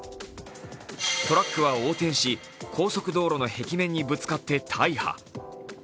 トラックは横転し、高速道路の壁面にぶつかって大破。